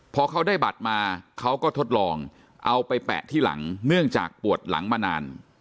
พอเขาได้บัตรมาเขาก็ทดลองเอาไปแปะที่หลังเนื่องจากปวดหลังมานาน